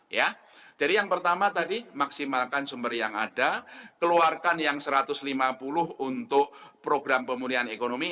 jadi yang pertama tadi maksimalkan sumber yang ada keluarkan yang rp satu ratus lima puluh untuk program pemulihan ekonomi